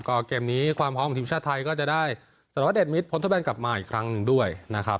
ก็เกมนี้ความพร้อมของทีมชาติไทยก็จะได้สรวเดชมิตรพ้นทดแนนกลับมาอีกครั้งหนึ่งด้วยนะครับ